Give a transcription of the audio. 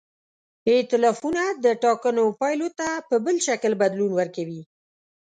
ایتلافونه د ټاکنو پایلو ته په بل شکل بدلون ورکوي.